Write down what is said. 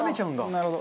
なるほど。